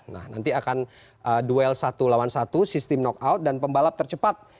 nah nanti akan duel satu lawan satu sistem knockout dan pembalap tercepat